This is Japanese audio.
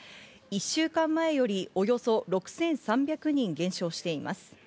１週間前よりおよそ６３００人減少しています。